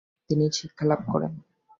তিনি শিক্ষালাভ করেন।